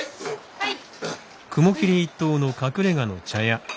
はい。